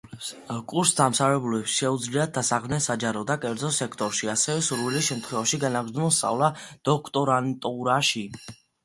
კურსდამთავრებულებს შეუძლიათ დასაქმდნენ საჯარო და კერძო სექტორში, ასევე, სურვილის შემთხვევაში, განაგრძონ სწავლა დოქტორანტურაში.